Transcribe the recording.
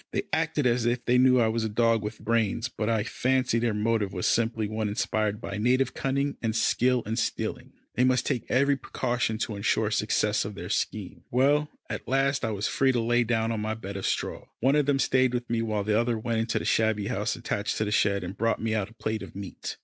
They acted as if they knew I was a dog with brains, but I fancy their motive was simply one inspired by native cunning and skill in stealing. They must take every precaution to ensure the success of their scheme. Well, at last I was free to lie down on my bed of straw. One of them stayed with me while the other went into the shabby house attached to the shed and brought me out a plate of meat.